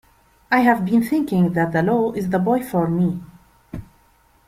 I have been thinking that the law is the boy for me.